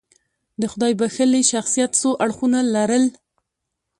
د خدای بښلي شخصیت څو اړخونه لرل.